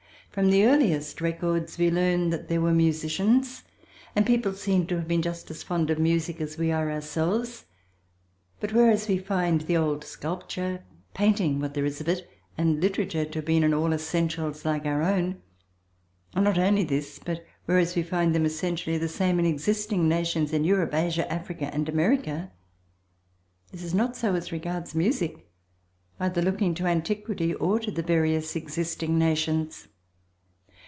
From the earliest records we learn that there were musicians, and people seem to have been just as fond of music as we are ourselves, but, whereas we find the old sculpture, painting (what there is of it) and literature to have been in all essentials like our own, and not only this but whereas we find them essentially the same in existing nations in Europe, Asia, Africa and America, this is not so as regards music either looking to antiquity or to the various existing nations.